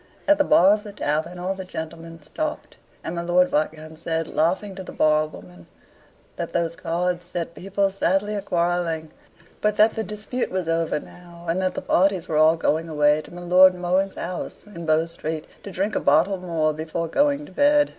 At the bar of the tavern all the gentlemen stopped, and my Lord Viscount said, laughing, to the barwoman, that those cards set people sadly a quarrelling; but that the dispute was over now, and the parties were all going away to my Lord Mohun's house, in Bow Street, to drink a bottle more before going to bed.